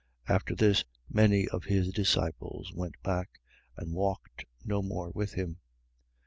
6:67. After this, many of his disciples went back and walked no more with him.